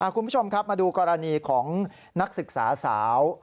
คุณผู้ชมครับมาดูกรณีของนักศึกษาสาว